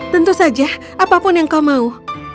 tentu saja apapun yang kau mau